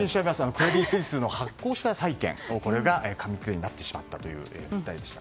クレディ・スイスの発行した債券紙切れになってしまったという話題でした。